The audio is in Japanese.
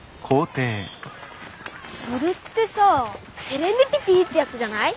それってさセレンディピティってやつじゃない？